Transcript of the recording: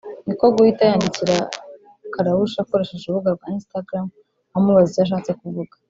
niko guhita yandikira Karrueche akoresheje urubuga rwa Instagram amubaza icyo ashatse kuvuga